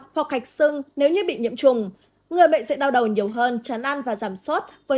hoặc hạch sưng nếu như bị nhiễm trùng người bệnh sẽ đau đầu nhiều hơn chán ăn và giảm sốt với